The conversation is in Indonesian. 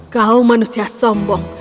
kau manusia sombong